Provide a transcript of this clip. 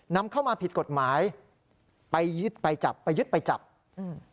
นำเข้ามาผิดกฎหมายไปยึดไปจับไปยึดไปจับอืม